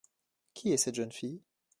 Qui est cette jeune fille ?